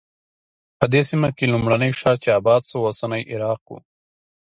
په دې سیمه کې لومړنی ښار چې اباد شو اوسنی عراق و.